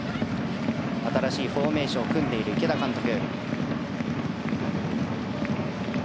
新しいフォーメーションを組んでいる池田監督。